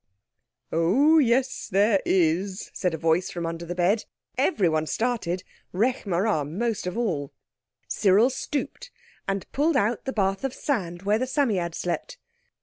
"Oh, yes there is!" said a voice from under the bed. Everyone started—Rekh marā most of all. Cyril stooped and pulled out the bath of sand where the Psammead slept.